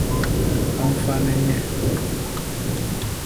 Ba mvane nye!